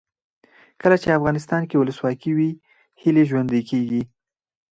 کله چې افغانستان کې ولسواکي وي هیلې ژوندۍ کیږي.